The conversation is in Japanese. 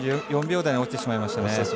３４秒台に落ちてしまいました。